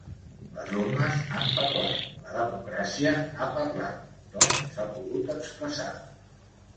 Les urnes han parlat, la democràcia ha parlat, tothom s’ha pogut expressar.